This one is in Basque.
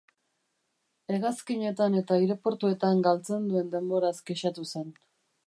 Hegazkinetan eta aireportuetan galtzen duen denboraz kexatu zen.